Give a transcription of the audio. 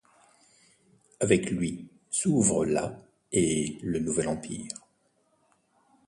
Avec lui s'ouvre la et le Nouvel Empire.